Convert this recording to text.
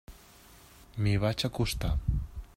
M'hi vaig acostar.